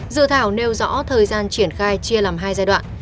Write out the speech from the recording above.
dự thảo nêu rõ thời gian triển khai chia làm hai giai đoạn